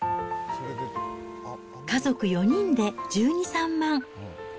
家族４人で１２、３万。